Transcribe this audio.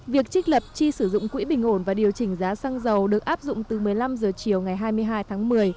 việc trích lập chi sử dụng quỹ bình ổn và điều chỉnh giá xăng dầu được áp dụng từ một mươi năm h chiều ngày hai mươi hai tháng một mươi